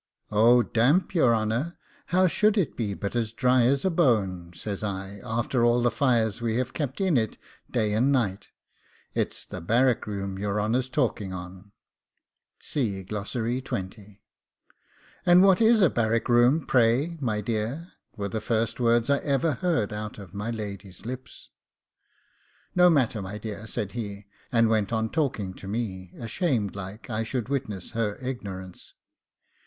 'Oh damp, your honour! how should it be but as dry as a bone,' says I, 'after all the fires we have kept in it day and night? It's the barrack room your honour's talking on.' 'And what is a barrack room, pray, my dear?' were the first words I ever heard out of my lady's lips. 'No matter, my dear,' said he, and went on talking to me, ashamed like I should witness her ignorance.